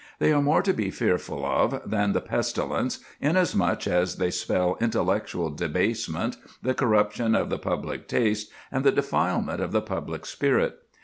They are more to be fearful of than the pestilence, inasmuch as they spell intellectual debasement, the corruption of the public taste, and the defilement of the public spirit.